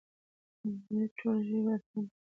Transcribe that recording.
د نړۍ ټولې ژبې به اسانې وي؛